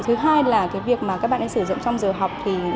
thứ hai là cái việc mà các bạn ấy sử dụng trong giờ học